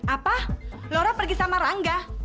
apa lora pergi sama rangga